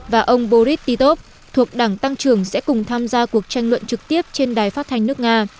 và ông borit titov thuộc đảng tăng trưởng sẽ cùng tham gia cuộc tranh luận trực tiếp trên đài phát thanh nước nga